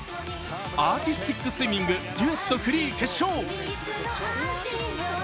アーティスティックスイミングデュエット・フリー決勝。